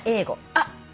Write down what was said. あっ！